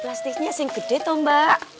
plastiknya sih gede mbak